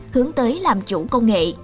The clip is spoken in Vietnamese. hướng tới làm chủ công nghệ